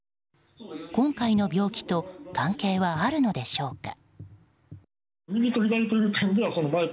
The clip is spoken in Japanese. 今回の病気と関係はあるのでしょうか。